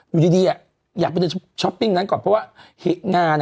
อยู่ดีอะอยากไปเดินนั้นก่อนเพราะว่าเหงาน่ะ